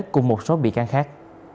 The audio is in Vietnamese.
cùng một số bị can khác